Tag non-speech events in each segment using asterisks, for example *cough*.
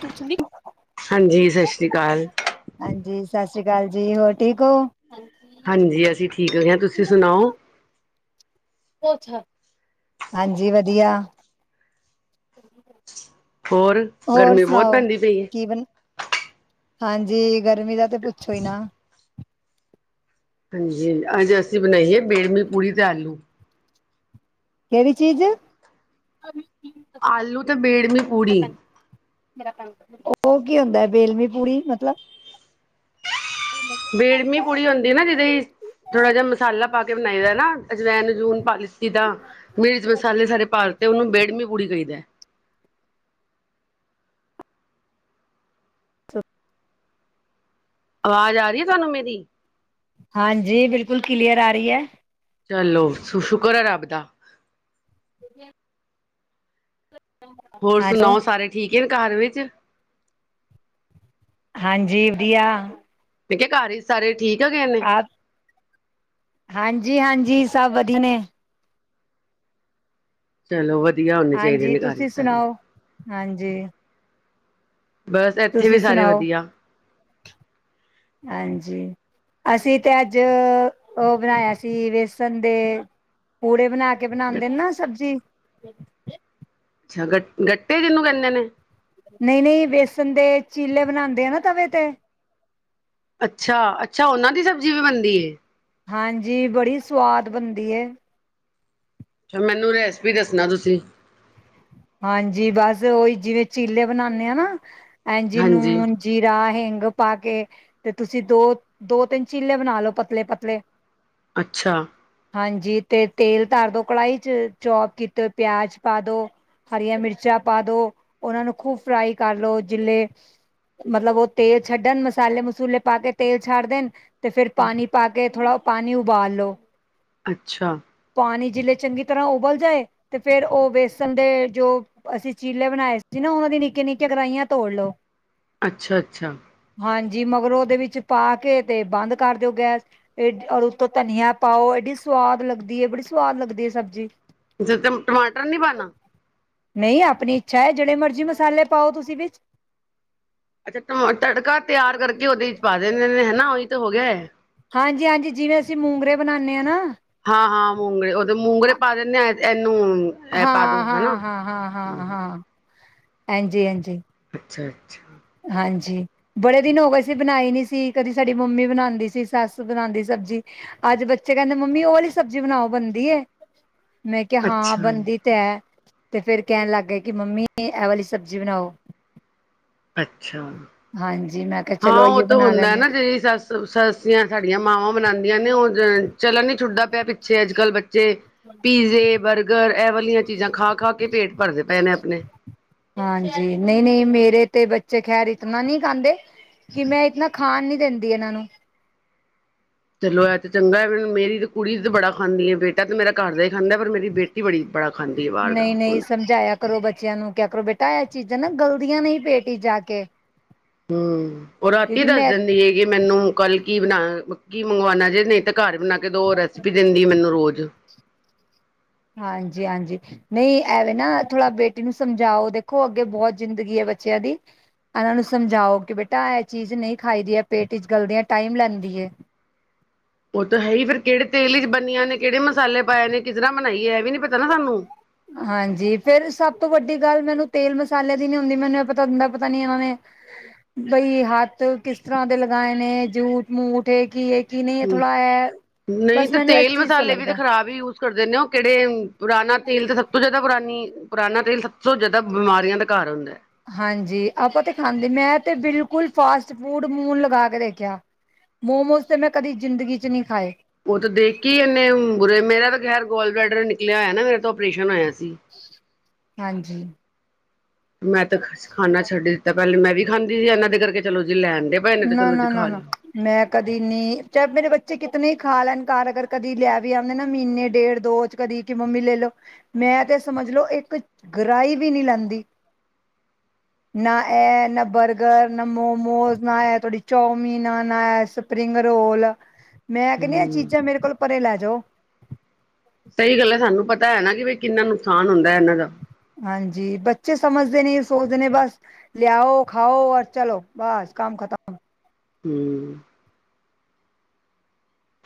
ਚਿੜਚਿੜੀ ਹਾਂਜੀ ਸਤਿ ਸ਼੍ਰੀ ਅਕਾਲ ਹਾਂਜੀ ਸਤਿ ਸ੍ਰੀ ਅਕਾਲ ਜੀ ਹੋਰ ਠੀਕ ਹੋ ਹਾਂਜੀ ਅਸੀਂ ਠੀਕ ਹਾਂ ਤੁਸੀਂ ਸੁਣਾਓ ਉਹ ਅੱਛਾ ਹਾਂਜੀ ਵਧੀਆ ਹੋਰ ਹੋਰ ਗਰਮੀ ਬਹੁਤ ਸੁਣਾਓ ਪੈਂਦੀ ਪਈ ਹੈ ਕੀ ਹਾਂਜੀ ਗਰਮੀ ਦਾ ਤੇ ਪੁੱਛੋ ਹੀ ਨਾ ਹਾਂਜੀ ਅੱਜ ਅਸੀਂ ਬਣਾਈ ਬੇੜਮੀਂ ਪੂੜੀ ਤੇ ਆਲੂ ਕਿਹੜੀ ਚੀਜ਼ ਆਲੂ ਤੇ ਬੇੜਨੀ ਪੂੜੀ ਮੇਰਾ ਕੱਲ ਉਹ ਕੀ ਹੁੰਦਾ ਹੈ ਬੇਲਮੀ ਪੂੜੀ ਮਤਲਬ ਬੇੜਮੀ ਪੁੜੀ ਹੁੰਦੀ ਨਾ ਜਿਹਦੇ ਥੋੜਾ ਜਿਹਾ ਮਸਾਲਾ ਪਾ ਕੇ ਬਣਾਏ ਦਾ ਨਾ ਅਜਵੈਨ ਜੂਨ ਪਾਲਸੀ ਦਾ ਮਿਰਜ਼ ਮਸਾਲੇ ਸਾਰੇ ਭਰ ਤੇ ਉਹਨੂੰ ਬੇੜਮੀ ਪੂੜੀ ਕਈ ਦਾ ਹੈ। *unintelligible* ਆਵਾਜ਼ ਆ ਰਹੀ ਹੈ ਤੁਹਾਨੂੰ ਮੇਰੀ ਹਾਂਜੀ ਬਿਲਕੁਲ ਕਲੀਅਰ ਆ ਰਹੀ ਹੈ। ਚਲੋ ਸ਼ੁਕਰ ਹੈ ਰੱਬ ਦਾ *unintelligible* ਹੋਰ ਹੈਲੋ ਸੁਣਾਓ ਸਾਰੇ ਠੀਕ ਹੈ ਘਰ ਵਿੱਚ ਹਾਂਜੀ ਵਧੀਆ ਕਿਹਾ ਘਰ ਹੀ ਸਾਰੇ ਠੀਕ ਹੈਗੇ ਨੇ ਹਾਂਜੀ -ਹਾਂਜੀ ਸਭ ਵਧੀਆ ਨੇ ਚਲੋ ਵਧੀਆ ਹੋਣੇ ਚਾਹੀਦੇ ਹਾਂਜੀ ਨੇ ਘਰ ਚ ਤੁਸੀਂ ਸਾਰੇ ਸੁਣਾਓ ਹਾਂਜੀ ਬਸ ਇੱਥੇ ਵੀ ਤੁਸੀਂ ਸਾਰੇ ਸੁਣਾਓ ਵਧੀਆ ਹਾਂਜੀ ਅਸੀਂ ਤੇ ਅੱਜ ਉਹ ਬਣਾਇਆ ਸੀ ਵੇਸਣ ਦੇ ਪੂੜੇ ਬਣਾ ਕੇ ਬਣਾਉਦੇ ਨਾ ਸਬਜ਼ੀ ਸਗਨ ਗੱਟੀ ਜਿਹਨੂੰ ਕਹਿੰਦੇ ਨੇ ਨਹੀਂ- ਨਹੀਂ ਵੇਸਣ ਦੇ ਚੀਲੇ ਬਣਾਉਦੇ ਆ ਨਾ ਤਵੇ ਤੇ ਅੱਛਾ, ਅੱਛਾ ਉਹਨਾਂ ਦੀ ਸਬਜ਼ੀ ਵੀ ਬਣਦੀ ਏ। ਹਾਂਜੀ, ਬੜੀ ਸਵਾਦ ਬਣਦੀ ਏ। ਅੱਛਾ, ਮੈਨੂੰ ਰੈਸਪੀ ਦੱਸਣਾ ਤੁਸੀਂ ਹਾਂਜੀ ਬਸ ਓਹੀ ਜਿਵੇਂ ਚੀਲੇ ਬਣਾਉਦੇ ਆ ਨਾ ਇੰਜ ਹਾਂਜੀ ਨੂੰ ਜੀਰਾ ਹਿੰਗ ਪਾ ਕੇ ਤੇ ਤੁਸੀਂ ਦੋ ਦੋ ਤਿੰਨ ਚਿੱਲੇ ਬਣਾ ਲਓ ਪਤਲੇ ਪਤਲੇ ਅੱਛਾ। ਹਾਂਜੀ ਤੇ ਤੇਲ ਧਾਰ ਦੋ ਕੜਾਹੀ ਚ ਚੌਪ ਕੀਤੇ ਪਿਆਜ ਪਾ ਦੋ ਹਰੀਆਂ ਮਿਰਚਾਂ ਪਾ ਦੋ, ਉਹਨਾਂ ਨੂੰ ਖੂਬ ਫਰਾਈ ਕਰ ਲੋ ਚਿੱਲੇ ਮਤਲਬ ਉਹ ਤੇਲ ਛੱਡਣ ਮਸਾਲੇ- ਮਸੂਲੇ ਪਾ ਕੇ ਤੇਲ ਛੱਡ ਦੇਣ। ਤੇ ਫਿਰ ਪਾਣੀ ਪਾ ਕੇ ਥੋੜਾ ਪਾਣੀ ਉਬਾਲ ਲਓ। ਅੱਛਾ। ਪਾਣੀ ਚਿੱਲੇ ਚੰਗੀ ਤਰ੍ਹਾਂ ਉਬਲ ਜਾਏ ਤੇ ਫਿਰ ਉਹ ਵੇਸਣ ਦੇ ਜੋ ਅਸੀਂ ਚੀਲੇ ਬਣਾਏ ਸੀ ਨਾ ਉਹਨਾਂ ਦੀ ਨਿੱਕੀਆਂ ਨਿੱਕੀਆਂ ਗਰਾਹੀਆਂ ਤੋੜ ਲੋੋ। ਅੱਛਾ- ਅੱਛਾ। ਹਾਂਜੀ ਮਗਰੋ, ਉਹਦੇ ਵਿੱਚ ਪਾ ਕੇ ਤੇ ਬੰਦ ਕਰ ਦਿਓ ਗੈਸ। ਇਹ ਔਰ ਉਤੋਂ ਧਨੀਆ ਪਾਓ ਏਡੀ ਸਆਦ ਲੱਗਦੀ ਏ, ਬੜੀ ਸਵਾਦ ਲੱਗਦੀ ਹੈ ਸਬਜ਼ੀ *unintelligible* ਟਮਾਟਰ ਨੀ ਪਾਉਣਾ ਨਹੀਂ ਆਪਣੀ ਇੱਛਾ ਹੈ ਜਿਹੜੇ ਮਰਜ਼ੀ ਮਸਾਲੇ ਪਾਓ ਤੁਸੀਂ ਵਿੱਚ। ਅੱਛਾਾ ਤੜਕਾ ਤਿਆਰ ਕਰਕੇ ਉਹਦੇ ਚ ਪਾ ਦਿੰਦੇ ਨੇ ਹਨਾ ਉਹੀ ਤੇ ਹੋ ਗਿਆ ਹੇ। ਹਾਂਜੀ ਹਾਂਜੀ ਜਿਵੇਂ ਅਸੀ ਮੂੰਗਰੇ ਬਣਾਣੇ ਹਾਂ ਨਾ। ਹਾਂ ਹਾਂ ਮੂੰਗਰੇ ਉਹਦੇ ਮੂੰਗਰੇ ਪਾ ਦਿੰਦੇ ਆ ਇਹਨੂੰ। ਇਹ ਪਾ ਹਾਂ ਦੋ ਹਨਾ ਹਾਂ ਹਾਂ ਹਾਂ ਹਾਂ ਹਾਂ ਇੰਜ ਏ ਇੰਜ ਏ। ਅੱਛਾ ਅੱਛਾ। ਹਾਂਜੀ। ਬੜੇ ਦਿਨ ਹੋ ਗਏ ਸੀਂ ਬਣਾਈ ਨੀ ਸੀ ਕਦੀ ਸਾਡੀ ਮੰਮੀ ਬਣਾਦੀ ਸੀ ਸੱਸ ਬਣਾਦੀ ਸਬਜ਼ੀ। ਅੱਜ ਬੱਚੇ ਕਹਿੰਦੇ ਮੰਮੀ ਉਹ ਵਾਲੀ ਸਬਜ਼ੀ ਬਣਾਓ ਬਣਦੀ ਏ। ਮੈਂ ਕਿਹਾ ਅੱਛਾ ਹਾਂ ਅੱਛਾ ਬੰਣਦੀ ਤੇ ਹੈ ਤੇ ਫੇਰ ਕਹਿਣ ਲੱਗ ਗਏ ਕਿ ਮੰਮੀ ਇਹ ਵਾਲੀ ਸਬਜ਼ੀ ਬਣਾਓ। ਅੱਛਾ ਹਾਂਜੀ ਮੈਂ ਕਿਹਾ ਹਾਂ ਚਲੋ ਉਹ ਅਈਓ ਤਾਂ ਬਣਾ ਹੁੰਦਾ ਲੈਂਨੇ ਆ। ਨਾ ਜਿਹਦੀ। ਸ ਸੱਸੀਆਂ ਸਾਡੀਆਂ ਮਾਵਾਂ ਬਣਾਦੀਆਂ ਨੇ ਉਹ ਚਲਣ। ਛੁੱਟਦਾ ਪਿਆ ਪਿੱਛੇ ਅੱਜ ਕੱਲ੍ਹ ਬੱਚੇ ਪੀਜ਼ੇ ਬਰਗ। ਗਰ ਇਹ ਵਾਲੀਆਂ ਚੀਜ਼ਾਂ ਖਾ ਖਾ ਕੇ ਪੇਟ ਭਰਦੇ ਪਏ ਨੇ ਆਪਣੇ। ਹਾਂਜੀ ਨਹੀਂ ਨਹੀਂ ਮੇਰੇ ਤੇ ਬੱਚੇ ਖੈਰ ਇਤਨਾ ਨਹੀਂ ਖਾਂਦੇ। ਜੀ ਮੈਂ ਇਤਨਾ ਖਾਣ ਨੀ ਦਿੰਦੀ ਇਹਨਾਂ ਨੂੰ। ਚਲੋ ਇਹ ਤੇ ਚੰਗਾ ਮੇਰੀ ਤੇ ਕੁੜੀ ਤੇ ਬੜਾ ਖਾਂਦੀ ਆ ਬੇਟਾ ਤੇ ਮੇਰਾ ਘਰਦਾ ਹੀ ਖਾਂਦਾ। ਮੇਰੀ ਬੇਟੀ ਬੜਈ ਬੜਾ ਖਦੀ ਆ ਬਾਹਰ ਦਾ ਨਹੀਂ-ਨਹੀਂ ਹੁਣ। ਸਮਝਾਇਆ ਕਰੋ ਬੱਚਿਆਂ ਨੂੰ ਕਿਆ ਕਰੋ ਬੇਟਾ ਇਹ ਚੀਜ਼ਾਂ ਨਾ ਗਲਦੀਆਂ ਨਹੀਂ ਪੇਟ ਜਾ ਕੇ। ਹੂ ਉਹ ਰਾਤੀ ਕਿਉਂਕਿ ਦੱਸ ਮੈਂ ਦਿੰਦੀ ਹੈਗੀ ਮੈਨੂੰ ਕੱਲ ਕੀ ਬਣਾ ਕੀ ਮੰਗਵਾਉਣਾ ਜੇ ਨਹੀਂ ਤੇ। ਘਰ ਬਣਾ ਕੇ ਦੋ ਰੈਸਪੀ ਦਿੰਦੀ ਏ ਮੈਨੂੰ ਰੋਜ਼। ਹਾਂਜੀ ਹਾਂਜੀ। ਨਹੀਂ ਐਵੇਂ ਨਾ ਥੋੜਾ ਬੇਟੀ ਨੂੰ ਸਮਝਾਓ ਦੇਖੋ ਅੱਗੇ ਬਹੁਤ ਜ਼ਿੰਦਗੀ ਹੈ ਬੱਚਿਆਂ ਦੀ। ਇਹਨਾਂ ਨੂੰ ਸਮਝਾਓ ਕਿ ਬੇਟਾ ਇਹ ਚੀਜ਼ ਨਹੀਂ ਖਾਈਦੀ ਹੈ ਪੇਟ ਵਿਚ ਗਲਦੇਯਾਂ ਟਾਈਮ ਲੈਂਦੀ ਹੈ। ਉਹ ਤਾਂ ਹੈ ਹੀ ਫੇਿਰ ਕਿਹੜੇ ਤੇਲ ਚ ਬਣੀਆਂ ਨੇ ਕਿਹੜੇ ਮਸਾਲੇ ਪਾਏ ਨੇ ਕਿਸ ਤਰ੍ਹਾਂ ਬਣਾਈਏ ਇਹ ਵੀ ਨੀ ਪਤਾ ਨਾ ਸਾਨੂੰ। ਹਾਂਜੀ ਫੇਿਰ ਸਭ ਤੋਂ ਵੱਡੀ ਗੱਲ ਮੈਨੂੰ ਤੇਲ ਮਸਾਲੇ ਦੀ ਨੀ ਹੁੰਦੀ ਮੈਨੂੰ ਇਹ ਪਤਾ ਹਦਾ ਪਤਾ ਉਵੇ। ਬਈ ਹੱਥ ਕਿਸ ਤਰ੍ਹਾਂ ਦੇ ਲਗਾਏ ਨੇ ਜੂਠ ਮੂਠ ਏ ਕੀ ਹੈ। ਕੀ ਨਹੀਂ ਹੁ ਥੋੜਾ ਹੈ ਨਹੀਂ ਬਸ ਤੇ ਮੈਨੂੰ ਇਸ ਤੇਲ ਚੀਜ਼ ਤੋਂ ਮਸਾਲੇ ਵੀ ਲੱਗਦਾ ਤੇ ਖਰਾਬ ਹੀ ਕਰਦੇ ਨੇ ਉਹ ਕਿਹੜੇ ਪੁਰਾਣਾ ਤੇਲ ਤੇ ਸਭ ਤੋਂ ਜ਼ਿਆਦਾ ਪੁਰਾਣੀ ਪੁਰਾਣਾ ਤੇਲ ਸਭ ਤੋਂ ਜ਼ਿਆਦਾ ਬਿਮਾਰੀਆਂ ਦਾ ਘਰ ਹੁੰਦਾ। ਹਾਂਜੀ ਆਪਾਂ ਤੇ ਖਾਂਦੇ ਨ ਮੈਂ ਤੇ ਬਿਲਕੁਲ ਫਾਸਟ ਫੂਡ ਮੂੰਹ ਲਗਾ ਕੇ ਦੇਖਿਆ। ਮੋਮੋਸ ਤੇ ਮੈਂ ਕਦੀ ਜ਼ਿੰਦਗੀ ਚ ਨਹੀਂ ਖਾਏ। ਉਹ ਤਾਂ ਦੇਖੀ ਉਹਨੇ ਬੁਰੇ ਮੇਰਾ ਤਾਂ ਖਹਿਰ ਗੋਲ ਬੈਡਰ ਨ। *unintelligible* ਨਾ ਮੇਰਾ ਤੋਂ ਓਪਰੇਸ਼ਨ ਹੋਏਆ ਸੀ। ਹਾਂਜੀ। ਮੈਂ ਤਾਂ ਖ ਖਾਨਾ ਛੱਡ। ਤਾਂ ਪਹਿਲੇ ਮੈਂ ਵੀ ਖਾਂਦੀ ਸੀ ਇਹਨਾਂ ਦੇ ਕਰਕੇ ਚਲੋ ਜੀ ਲੈਣ ਦੇ। ਨਾ ਨਾ ਨਾ ਨਾ। ਮੈਂ ਕਦੀ ਨੀ ਚਾਹੇ ਮੇਰੇ ਬੱਚੇ ਕਿਤਨੇ ਹੀ ਖਾ ਲੈਣ ਘਰ ਅਗਰ ਕਦੀ ਲੈ ਵੀ ਆਉਂਦੇ ਨਾ ਮਹੀਨੇ ਡੇਢ ਦੋ। ਕਦੀ ਕਿ ਮੰਮੀ ਲੈ ਲਓ ਮੈਂ ਤੇ ਸਮਝ ਲੋਓ ਇੱਕ ਗਰਾਈ ਵੀ ਨਹੀਂ ਲੈਂਦੀ। ਨਾ ਇਹ ਨਾ ਬਰਗਰ ਨਾ ਮੋਮੋਜ। ਨਾ ਏ ਕਦੀ ਚੌਮੀਨ ਨਾ ਏ ਸਪਰਿੰਗ ਰੋਲ ਮੈਂ ਕਹਿੰਦੀ ਆ ਹੂੰ ਚੀਜ਼ਾਂ ਮੇਰੇ ਕੋਲ। ਪਰੇ ਲੈ ਜ਼ੋ। ਸਹੀ ਗੱਲ ਹੈ ਸਾਨੂੰ ਪਤਾ ਹੈ ਨਾ ਕਿ ਬ ਕਿੰਨਾ ਨੁਕਸਾਨ ਹੁੰਦਾ ਇਹਨਾਂ ਦਾ। ਹਾਂਜੀ ਬੱਚੇ ਸਮਝਦੇ ਨੇ ਸੋਚਦੇ ਨੇ ਬਸ। ਲਿਆਓ ਖਾਓ ਔਰ ਚਲੋ ਬਸ ਕੰਮ ਖਤਮ। ਹੂੰ।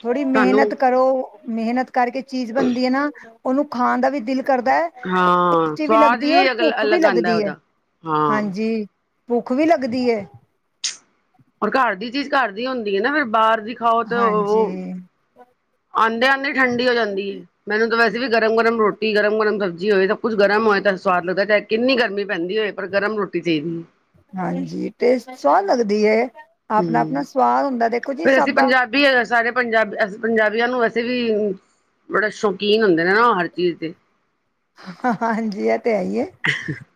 ਥੋੜੀ ਤੁਹਾਨੂੰ ਮਿਹਨਤ ਕਰੋ ਮਿਹਨਤ ਕਰਕੇ ਚੀਜ਼ ਬਣਦੀ ਹੈ ਨਾ ਉਹਨੂੰ ਖਾਣ ਦਾ ਵੀ ਦਿਲ ਕਰਦਾ ਐ। ਹਾਂ ਟੇਸਟੀ ਵੀ ਸਵਾਦ ਲੱਗਦੀ ਹੈ ਔਰ ਅ ਭੁੱਖ ਵੀ ਅਲੱਗ ਆਉਂਦਾ ਲੱਗਦੀ ਹੈ ਉਹਦਾ ਹਾਂ ਹਾਂਜੀ। ਭੁੱਖ ਵੀ ਲੱਗਦੀ ਐ। ਔਰ ਘਰ ਦੀ ਚੀਜ਼ ਘਰ ਦੀ ਹੁੰਦੀ ਏ ਨਾ ਫਿਰ ਬਾਹਰ ਦੀ ਖਾਓ ਤੇ ਉਹ ਹਾਂਜੀ ਆਦੇਂ-ਆਦੇਂ ਠੰਢੀ ਹੋ ਜਾਂਦੀ। ਮੈਨੂੰ ਤਾਂ ਵੈਸੇ ਵੀ ਗਰਮ-ਗਰਮ ਰੋਟੀ ਗਰਮ -ਗਰਮ ਸਬਜ਼ੀ ਜੀ ਹੋਵੇ ਤਾਂ ਕੁਛ ਗਰਮ ਹੋਏ ਤਾਂ ਸਵਾਦ ਲੱਗਦਾ ਚਾਹੇ ਕਿੰਨੀ ਗਰਮੀ ਪੈਂਦੀ ਹੋਵੇ ਪਰ ਗਰਮ ਰੋਟੀ ਚਾਈਦੀ ਏ ਹਾਂਜੀ ਟੇਸਟ ਸਵਾਦ ਲੱਗਦੀ ਏ ਆਪਣਾ-ਆਪਣਾ ਸਵਾਦ ਹੁੰਦਾ ਦੇਖੋ ਜੀ ਸਭ ਦਾ ਵੀ ਸਾਰੇ ਪੰਜਾਬ ਅਸਂ ਪੰਜਾਬੀਆਂ ਨੂੰ ਵੈਸੇ ਵੀ ਬੜਾ ਸ਼ੌਕੀਨ ਹੁੰਦੇ ਨੇ ਨਾ ਉਹ ਹਰ ਚੀਜ਼ ਦੇ ਹਾਂ ਹਾਂਜੀ ਏ ਤੇ ਹੈਈ ਏ *inaudible*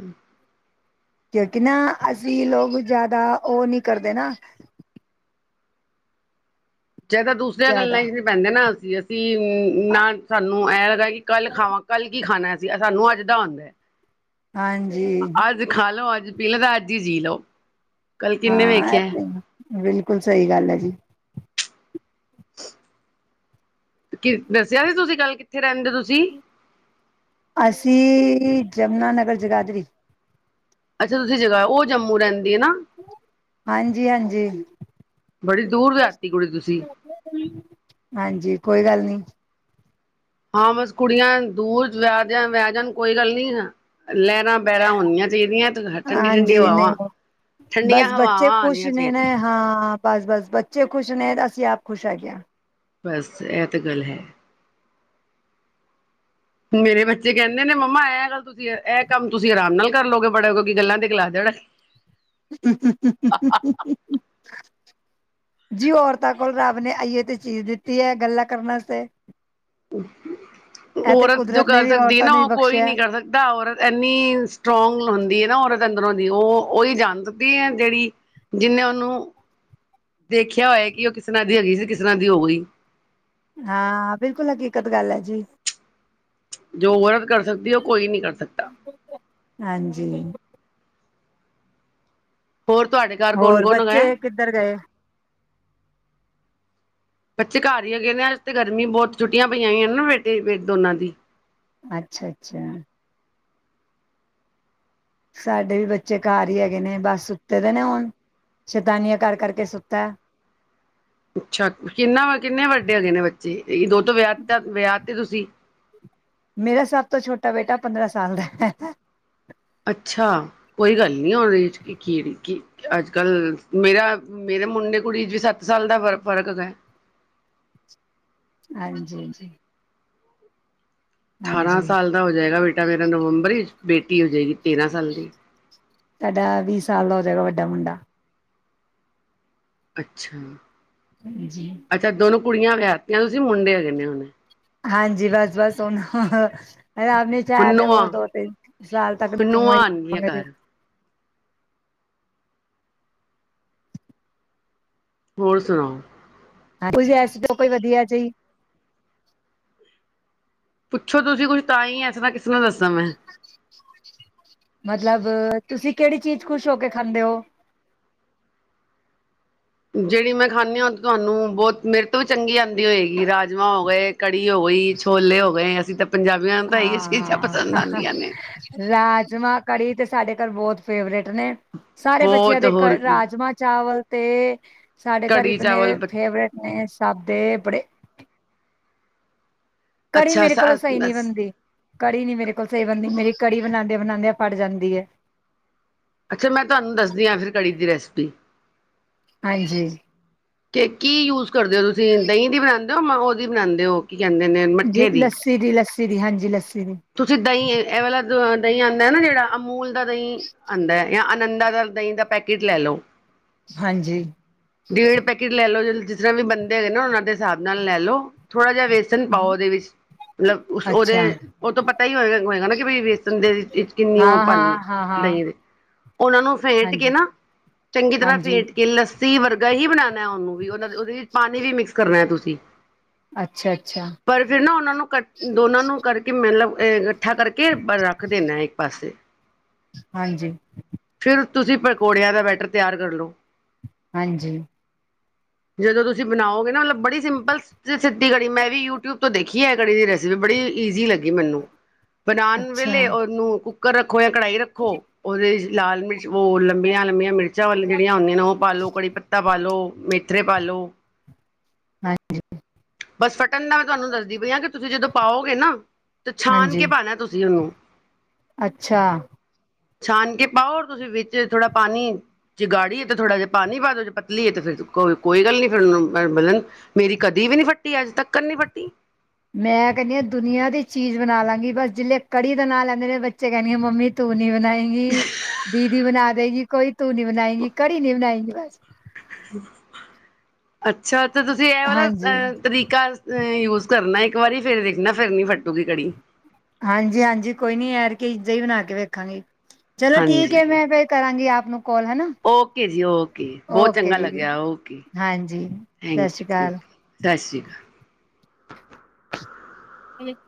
ਹੂੰ ਕਿਉਂਕਿ ਨਾ ਅਸੀਂ ਲੋਕ ਜ਼ਿਆਦਾ ਓ ਨਈ ਕਰਦੇ ਨਾ ਚੇ ਤਾਂ ਦੂਸਰਿਆਂ ਜ਼ਿਆਦਾ ਗੱਲਾਂ ਚ ਨੀ ਪੈਂਦੇ ਨਾ ਅਸੀਂ-ਅਸੀਂ ਨਾ ਸਾਨੂੰ ਐਂ ਲੱਗਾ ਕਿ ਕੱਲ੍ਹ ਖਾਵਾਂ ਕੱਲ ਕੀ ਖਾਣਾ ਅ ਸੀ ਸਾਨੂੰ ਅੱਜ ਦਾ ਹੁੰਦਾ ਐ ਹਾਂਜੀ ਅੱਜ ਖਾ ਲੋੋ, ਅੱਜ ਪੀ ਲੈ ਤਾਂ, ਅੱਜ ਹੀ ਜੀ ਲੋਓ ਕੱਲ ਕਿੰਨੇ ਹਾਂ ਇਹ ਵੇਖਿਆ ਤੇ ਬਿਲਕੁਲ ਸਹੀ ਗੱਲ ਐ ਜੀ ਕੀ ਦੱਸਿਆ ਸੀ ਤੁਸੀਂ ਗੱਲ ਕਿੱਥੇ ਰਹਿੰਦੇ ਤੁਸੀਂ? ਅਸੀਂ ਯਮੁਨਾਨਗਰ ਜਗਾਧਰੀ ਅੱਛਾ ਤੁਸੀਂ ਜਗਾਧ ਉਹ ਜੰਮੂ ਰਹਿੰਦੀ ਐ ਨਾ? ਹਾਂਜੀ-ਹਾਂਜੀ ਬੜੀ ਦੂਰ ਵਿਆਹਤੀ ਕੁੜੀ ਤੁਸੀਂ। ਹਾਂਜੀ ਕੋਈ ਗੱਲ ਨੀ ਹਾਂ ਬਸ ਕੁੜੀਆਂ ਦੂਰ ਵਿਆਹ ਦਿਆਂ ਵਿਆ ਜਾਣ ਕੋਈ ਗੱਲ ਨੀ ਲਹਿਣਾ ਬੈਰਾਂ ਹੋਣੀਆਂ ਚਾਹੀਦੀਆਂ ਤੇ ਠੰਡੀ ਠੰਢਡੀ ਹਾਂਜੀ ਹਵਾਵਾਂ, ਨਹੀਂ ਠੰਡੀਆਂ ਬਸ ਬੱਚੇ ਹਵਾਵਾਂ ਖੁਸ਼ ਆਉਣੀਆਂ ਨੇ ਨਾ ਚਾਈਦੀਆਂ। ਹਾਂ ਬਸ-ਬਸ ਬੱਚੇ ਖੁਸ਼ ਨੇ, ਅਸੀਂ ਆਪ ਖੁਸ਼ ਹੈਗੇ। ਬਸ ਇਹ ਤਾਂ ਗੱਲ ਹੈ। ਮੇਰੇ ਬੱਚੇ ਕਹਿੰਦੇ ਨੇ ਮੰਮਾ ਇਹ ਗੱਲ ਤੁਸੀਂ ਇਹ ਕੰਮ ਤੁਸੀਂ ਆਰਾਮ ਨਾਲ ਕਰ ਲਓਗੇ ਬੜੇ ਕਿਉਂਕਿ ਗੱਲਾਂ ਤੇ ਗਲਾ ਦੇਣਾ। *inaudible* ਜੀ ਔਰਤਾਂ ਕੋਲ ਰੱਬ ਨੇ ਆਈਏ ਤੇ ਚੀਜ਼ ਦਿੱਤੀ ਐ ਗੱਲਾਂ ਕਰਨ ਵਾਸਤੇ। ਇਹ ਤੇ ਔਰਤ ਜੋ ਕੁਦਰਤ ਨੇ ਕਰ ਵੀ ਸਕਦੀ ਐ ਔਰਤਾਂ ਨਾ ਨੂੰ ਹੀ ਉਹ ਕੋਈ ਨੀ ਬਖਸ਼ਿਆ ਕਰ ਸਕਦੀ ਔਰਤ ਇੰਨੀ ਸਟਰੋਂਗ ਹੁੰਦੀ ਆ ਨਾ ਔਰਤ ਅੰਦਰੋਂ ਦੀ ਓ ਓਹੀ ਜਾਣਦੀ ਹੈ ਜਿਹੜੀ ਜਿੰਨੇ ਓਨੂੰ ਦੇਖਿਆ ਹੋਇਆ ਕਿ ਉਹ ਕਿਸ ਤਰ੍ਹਾਂ ਦੀ ਹੈਗੀ ਸੀ ਕਿਸ ਤਰ੍ਹਾਂ ਦੀ ਹੋ ਗਈ। ਹਾਂ ਬਿਲਕੁਲ ਹਕੀਕਤ ਗੱਲ ਹੈ ਜੀ। ਜੋ ਔਰਤ ਕਰ ਸਕਦੀ ਆ, ਉਹ ਕੋਈ ਨਹੀਂ ਕਰ ਸਕਦਾ। ਹਾਂਜੀ ਹੋਰ ਤੁਹਾਡੇ ਘਰ ਕੌਣ ਹੋਰ ਕੌਣ ਹੈਗਾ ਬੱਚੇ ਕਿੱਧਰ ਗਏ? ਬੱਚੇ ਘਰ ਹੀਈ ਹੈ ਕਹਿੰਦੇ ਆ ਅੱ ਤੇ ਗਰਮੀ ਬਹੁਤ ਛੁੱਟੀਆਂ ਪਈਆਂ ਹੋਈ ਨਾ ਬੇਟੇੇ ਦੋਨਾਂ ਦੀ ਅੱਛਾ-ਅੱਛਾ ਸਾਡੇ ਵੀ ਬੱਚੇ ਘਰ ਹੀ ਹੈਗੇ ਨੇ ਬਸ ਸੁੱਤੇ ਦੇ ਨੇ ਹੁਣ ਸ਼ੈਤਾਨੀਆ ਕਰ ਕਰਕੇ ਸੁੱਤਾ ਅੱਛਾ ਕਿੰਨਾ-ਕਿੰਨੇ ਵੱਡੇ ਹੈਗੇ ਨੇ ਬੱਚੇ ਦੋ ਤੋਂ ਵਿਆਹ-ਵਿਆਹ ਤੇ ਤੁਸੀਂ ਮੇਰਾ ਸਭ ਤੋਂ ਛੋਟਾ ਬੇਟਾ ਪੰਦਰਾਂ ਸਾਲ ਦਾ ਐ। ਅੱਛਾ ਕੋਈ ਗੱਲ ਨੀ ਉਹਦੇ ਕੀੜੀ ਕੀ ਅੱਜ-ਕੱਲ ਮੇਰਾ ਮੇਰੇ ਮੁੰਡੇ-ਕੁੜੀ ਚ ਵੀ ਸੱਤ ਸਾਲ ਦਾ ਫ ਫਰਕ ਐ। ਹਾਂਜੀ-ਹਾਂਜੀ ਅਠਾਰਾਂ ਸਾਲ ਦਾ ਹੋ ਜਾਏਗਾ ਬੇਟਾ ਮੇਰਾ ਨਵੰਬਰ ਹੀ, ਬੇਟੀ ਹੋ ਜਾਏਗੀ ਤੇਰਾਂ ਸਾਲ ਦੀ। ਸਾਡਾ ਵੀਹ ਸਾਲ ਦਾ ਹੋ ਜਾਏਗਾ ਵੱਡਾ ਮੁੰਡਾ। ਅੱਛਾ ਹਾਂਜੀ ਅੱਛਾ ਦੋਨੋ ਕੁੜੀਆਂ ਵਿਆਹੀਆਂ ਤੁਸੀਂ ਮੁੰਡੇ ਕਹਿੰਦੇ ਹੋੇ ਹਾਂਜੀ ਬਸ-ਬਸ ਸਨ ਆਪਣੇ ਹੁਣ ਚਾਇ ਤੇ ਨੂੰਆਂ ਹੋਰ ਦੋ- ਤਿੰਨ ਸਾਲ ਤੱਕ ਹੁਣ ਨੂੰਆਂ *inaudible* ਆਣਗੀਆਂ ਘਰ ਹੋਰ ਸੁਣਾਓ? ਤੁਸੀਂ ਐਸ *inaudible* ਜੋ ਕੋਈ ਵਧੀਆ ਜਹੀ ਪੁੱਛੋ ਤੁਸੀਂ ਕੁੱਛ ਤਾਂ ਹੀ, ਐਸੇ ਤਰ੍ਹਾਂ ਕਿਸ ਤਰਾਂ ਦੱਸਾਂ ਮੈਂ। ਮਤਲਬ, ਤੁਸੀਂ ਕਿਹੜੀ ਚੀਜ਼ ਖ਼ੁਸ਼ ਹੋ ਕੇ ਖਾਂਦੇ ਹੋ? ਜਿਹੜੀ ਮੈਂ ਖਾਂਦੀ ਹਾਂ ਤੁਹਾਨੂੰ ਬਹੁਤ ਮੇਰੇ ਤੋਂ ਵੀ ਚੰਗੀ ਆਉਂਦੀ ਹੋਏਗੀ ਰਾਜਮਾਂ ਹੋ ਗਏ ਕੜੀ ਹੋ ਗਈ, ਛੋਲੇ ਹੋ ਗਏ ਅਸੀਂ ਤਾਂ ਪੰਜਾਬੀਆਂ ਨੂੰ ਤਾਂ ਇਹੀ ਚੀਜ਼ਾਂ ਹਾਂ ਪਸੰਦ ਆਉਂਦੀਆਂ ਨੇ। ਰਾਜਮਾਂ, ਕੜੀ ਤੇ ਸਾਡੇ ਘਰ ਬਹੁਤ ਫੇਵਰੇਟ ਨੇ। ਸਾਰੇ ਬੱਚਿਆਂ ਬਹੁਤ ਦੇ ਹੋਰ ਕੀ ਰਾਜਮਾਂ- ਚਾਵਲ ਤੇ ਸਾਡੇ ਘਰ ਕੜੀ ਇਤਨੇ ਚਾਵਲ ਫੇਵਰੇਟ ਮੈਂ ਸਾਬੇ ਬੜੇ- ਕੜੀ ਅੱਛਾ ਮੇਰੇ ਕੋਲੋਂ ਸਹੀ ਨਹੀਂ ਬਣਦੀ। ਕੜੀ ਨੀ ਮੇਰੇ ਕੋਲ ਸਹੀ ਬਣਦੀ ਮੇਰੀ ਕੜੀ ਬਉਂਦੇ ਬਣਾਉਂਦਿਆਂ ਫੜ ਜਾਂਦੀ ਹੈ। ਅੱਛਾ, ਮੈਂ ਤੁਹਾਨੂੰ ਦੱਸਦੀ ਹਾਂ ਫਿਰ ਕੜੀ ਦੀ ਰੈਸਪੀ। ਹਾਂਜੀ ਕਿ ਕੀ ਯੂਜ ਕਰਦੇ ਹੋ ਤੁਸੀਂ ਦਹੀਂ ਦੀ ਬਣਾਉਂਦੇ ਹੋ ਮੈਂ ਉਹਦੀ ਬਣਾਉਂਦੇ ਹੋ ਕੀ ਕਹਿੰਦੇ ਨੇ ਜੀ ਮੱਠੇ ਦੀ? ਲੱਸੀ ਦੀ ਲੱਸੀ ਦੀ ਹਾਂਜੀ ਲੱਸੀ ਦੀ। ਤੁਸੀਂ ਦਹੀਂ ਇਹ ਵਾਲਾ ਦੇ ਦਹੀਂ ਆਉਂਦਾ ਨਾ ਜਿਹੜਾ ਅਮੂਲ ਦਾ ਦਹੀਂ ਆਉਂਦਾ ਜਾਂ ਅਨੰਦਾਾ ਦਾ ਦਹੀਂ ਦਾ ਪੈਕੇਟ ਲੈ ਲਓ। ਹਾਂਜੀ ਡੇਢ ਪੈਕੇਟ ਲੈ ਲਓ ਜ ਜਿਸ ਤਰ੍ਹਾਂ ਵੀ ਬੰਦੇ ਹੈਗੇ ਨਾ ਉਹਨਾਂ ਦੇ ਹਿਸਾਬ ਨਾਲ ਲੈ ਲਓ। ਥੋੜਾ ਜਿਹਾ ਵੇਸਨ ਵੇਸਨ ਪਾਓ ਉਹਦੇ ਵਿੱਚ, ਮਤਲਬ ਉਹਦੇ ਅੱਛਾ, ਉਹ ਤੋਂ ਪਤਾ ਹੀ ਹੋਏ ਹੋਏਗਾ ਨਾ ਕਿ ਵੇਸਨ ਦੇ ਕਿੰਨੀ ਉਹ ਹਾਂ, ਪਨੀ ਹਾਂ, ਹਾਂ, ਹਾਂ। ਦਹੀਂ ਦੇ, ਉਹਨਾਂ ਨੂੰ ਫੇਟ ਕੇ ਹਾਂਜੀ, ਨਾ ਚੰਗੀ ਤਰ੍ਹਾਂ ਹਾਂਜੀ, ਫੇਟ ਕੇ ਕਿ ਲੱਸੀ ਵਰਗਾ ਹੀ ਬਣਾਉਣਾ ਉਹਨੂੰ, ਵੀ ਉਹ ਉਹਦੇ ਵਿੱਚ ਪਾਣੀ ਵੀ ਮਿਕਸ ਕਰਨਾ ਹੈ ਤੁਸੀਂ? ਅੱਛਾ- ਅੱਛਾ ਪਰ ਫਿਰ ਨਾ ਉਹਨਾਂ ਨੂੰ ਕ ਦੋਨਾਂ ਨੂੰ ਕਰਕੇ ਮਤਲਬ ਅ ਇਕੱਠਾ ਕਰਕੇ ਬ ਰੱਖ ਦੇਣਾ ਇੱਕ ਪਾਸੇ ਹਾਂਜੀ ਫਿਰ ਤੁਸੀਂ ਪਕੌੜਿਆਂ ਦਾ ਬੈਟਰ ਤਿਆਰ ਕਰ ਲਓ। ਹਾਂਜੀ ਜਦੋਂ ਤੁਸੀਂ ਬਣਾਓਗੇ ਨਾ ਮਤਲਬ ਬੜੀ ਸਿੰਪਲ ਸਿੱਧੀ ਕੜੀ ਮੈਂ ਵੀ ਯੂਟਿਊਬ ਤੋਂ ਦੇਖੀ ਹੈ ਇਹ ਕੜੀ ਦੀ ਰੈਸਿਪੀ ਬੜੀ ਈਜ਼ੀ ਲੱਗੀ ਮੈਨੂੰ ਬਣਾਉਣ ਅੱਛਾ, ਵੇਲੇ ਉਹਨੂੰ ਕੁੱਕਰ ਰੱਖੋ ਜਾਂ ਕੜਾਹੀ ਰੱਖੋ ਉਹਦੇ ਲਾਲ ਮਿਰਚ ਉਹ ਲੰਬੀਆਂ -ਲੰਬੀਆਂ ਮਿਰਚਾਂ ਵ ਜਿਹੜੀਆਂ ਹੁੰਦੀਆਂ ਨੇ ਉਹ ਪਾ ਲੋ, ਕੜੀ ਪੱਤਾ ਪਾ ਲੋ, ਮੇਥਰੇ ਪਾ ਲੋ। ਹਾਂਜੀ ਬਸ ਫਟਣ ਦਾ ਮੈਂ ਤੁਹਾਨੂੰ ਦੱਸਦੀ ਪਈ ਹਾਂ ਕਿ ਤੁਸੀਂ ਜਦੋਂ ਪਾਓਗੇ ਨਾ ਤੇ ਛਾਣ ਕੇ ਹਾਂਜੀ, ਪਾਣਾ ਤੁਸੀਂ ਉਹਨੂੰ ਅੱਛਾ ਛਾਨ ਕੇ ਪਾਓ ਓਰ ਤੁਸੀਂ ਵਿੱਚ ਥੋੜਾ ਪਾਣੀ ਜੇ ਗਾੜੀ ਏ ਤੇ ਥੋੜਾ ਜਿਹਾ ਪਾਣੀ ਪਾ ਦਓ। ਜੇ ਪਤਲੀਏ ਤੇ ਫਿਰ ਕੋਈ ਕੋਈ ਗੱਲ ਨੀ ਫਿਰ ਉਹਨੂੰ ਬਣਨ ਮੇਰੀ ਕਦੀ ਵੀ ਨਹੀਂ ਫੱਟੀ ਅੱਜ ਤੱਕ ਨੀ ਫੱਟੀ। ਮੈਂ ਕਹਿੰਦੀਆਂ ਦੁਨੀਆਂ ਦੀ ਚੀਜ਼ ਬਣਾ ਲਾਂਗੀ ਬਸ ਜਿਲੇ ਕੜੀ ਦਾ ਨਾਂ ਲੈਂਦੇ ਨੇ ਬੱਚੇ ਕਹਿੰਦੀ ਮੰਮੀ ਤੂੰ ਨੀ ਬਣਾਏਂਗੀ। ਦੀਦੀ ਬਣਾ ਦੇਗੀ, ਕੋਈ ਤੂੰ ਨੀ ਬਣਾਏਂਗੀ ਕੜੀ ਨਹੀਂ ਬਣਾਏਂਗੀ ਬਸ। ਅੱਛਾ, ਤੇ ਤੁਸੀਂ ਇਹ ਵਾਲਾ ਹਾਂਜੀ, ਅਹ ਤਰੀਕਾ ਅ ਯੂਜ ਕਰਨਾ ਇੱਕ ਵਾਰੀ ਫੇਰ ਵੇਖਣਾ ਫਿਰ ਨੀ ਫੱਟੂਗੀ ਕੜੀ। ਹਾਂਜੀ -ਹਾਂਜੀ, ਕੋਈ ਨੀ ਐਤਕੀ ਇੰਜੇ ਹੀ ਬਣਾ ਕੇ ਵੇਖਾਂਗੀ ਚਲੋ ਠੀਕ ਹੈ ਹਾਂਜੀ ਮੈਂ ਫਿਰ ਕਰਾਂਗੀ ਆਪ ਨੂੰ ਕਾਲ ਹਨਾ। ਓਕੇ ਜੀ ਓਕੇ, ਬਹੁਤ ਓਕੇ ਚੰਗਾ ਜੀ, ਲੱਗਿਆ, ਓਕੇ ਹਾਂਜੀ। ਸਤਿ ਸ਼੍ਰੀ ਥੈਂਕ ਯੂ। ਅਕਾਲ। ਸਤਿ ਸ਼੍ਰੀ ਅਕਾਲ। ਹਮ *inaudible*